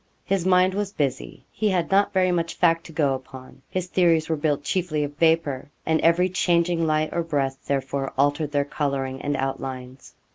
His mind was busy. He had not very much fact to go upon. His theories were built chiefly of vapour, and every changing light or breath, therefore, altered their colouring and outlines.